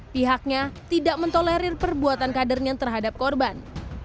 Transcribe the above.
pihaknya tidak mentolerir perbuatan kadernya terhadap korban